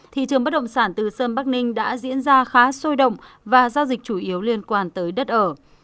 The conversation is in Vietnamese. thị trường bất động sản từ sơn bắc ninh đã diễn ra khá sôi động và giao dịch chủ yếu liên quan tới đất ở